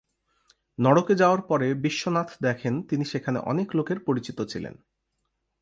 নরকে যাওয়ার পরে বিশ্বনাথ দেখেন তিনি সেখানে অনেক লোকের পরিচিত ছিলেন।